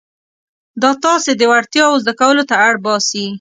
دا تاسې د وړتیاوو زده کولو ته اړ باسي.